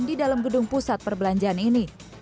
di dalam gedung pusat perbelanjaan ini